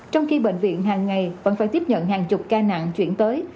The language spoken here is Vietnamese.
trong khi bệnh viện hàng ngày vẫn phải tiếp nhận hàng chục ca nạn chuyển tới